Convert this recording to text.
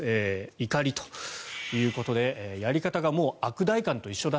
怒りということでやり方がもう悪代官と一緒だ。